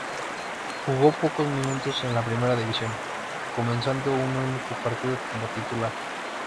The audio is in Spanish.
Jugó pocos minutos en la Primera División, comenzando un único partido como titular.